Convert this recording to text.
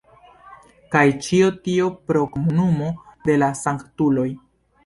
Kaj ĉio tio pro Komunumo de la Sanktuloj.